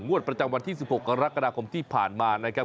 งวดประจำวันที่๑๖กรกฎาคมที่ผ่านมานะครับ